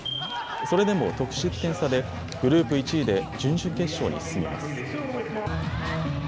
それでも得失点差でグループ１位で準々決勝に進みます。